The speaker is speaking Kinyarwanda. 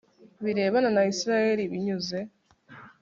birebana na Isirayeli binyuze